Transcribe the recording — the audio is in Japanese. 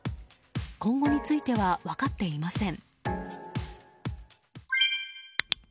今後については分かっていません。